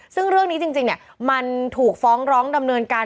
ซึ่งเรื่องนี้จริงมันถูกฟ้องร้องดำเนินการ